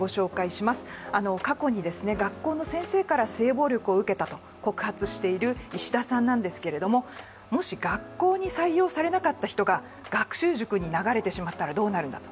過去に学校の先生から性暴力を受けたと告発している石田さんなんですけれども、もし学校に採用されなかった人が学習塾に流れてしまったらどうなるんだと。